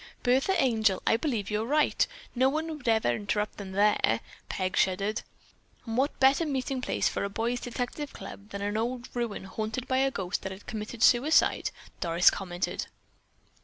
"Bertha Angel, I believe you're right. No one would ever interrupt them there." Peg shuddered. "And what better meeting place for a boys' detective club than an old ruin haunted by a ghost that had committed suicide!" Doris commented.